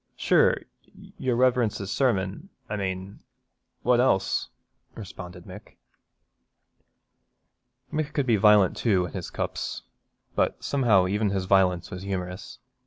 'Sure, your Reverence's sermon, I mane, what else?' responded Mick. Mick could be violent too in his cups, but somehow even his violence was humorous.